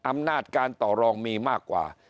อำนาจการต่อรองมีมากกว่า